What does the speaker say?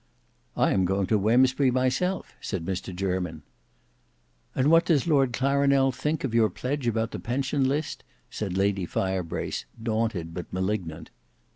"I am going to Wemsbury myself," said Mr Jermyn. "And what does Lord Clarinel think of your pledge about the pension list?" said Lady Firebrace daunted but malignant.